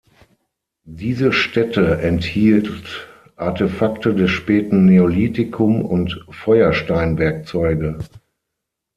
Diese Stätte enthielt Artefakte des späten Neolithikum und Feuersteinwerkzeuge.